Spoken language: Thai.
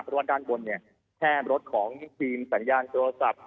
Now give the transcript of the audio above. เพราะว่าด้านบนเนี่ยแค่รถของทีมสัญญาณโทรศัพท์